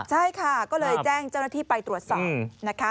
ใช่ค่ะก็เลยแจ้งเจ้าหน้าที่ไปตรวจสอบนะคะ